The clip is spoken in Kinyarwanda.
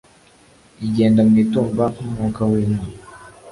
Igenda mu itumba nkumwuka winka